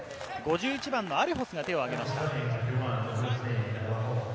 ５１番のアレホスが手を挙げました。